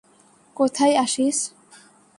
কোথায় আছিস?